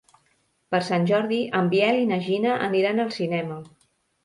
Per Sant Jordi en Biel i na Gina aniran al cinema.